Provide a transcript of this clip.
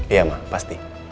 ya ma pasti